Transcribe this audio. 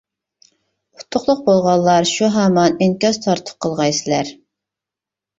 ئۇتۇقلۇق بولغانلار شۇ ھامان ئىنكاس تارتۇق قىلغايسىزلەر.